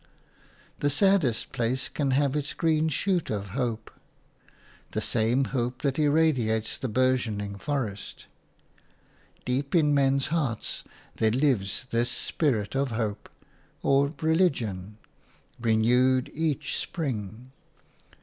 The saddest place can have its green shoot of hope, the same hope that irradiates the burgeoning forest. Deep in men's hearts there lives this spirit of hope – or religion – renewed each spring.